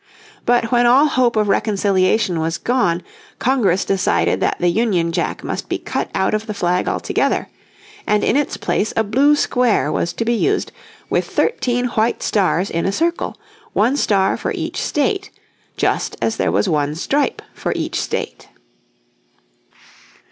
But when all hope of reconciliation was gone Congress decided that the Union Jack must be cut out of the flag altogether, and in its place a blue square was to be used with thirteen white stars in a circle, one star for each state, just as there was one stripe for each state.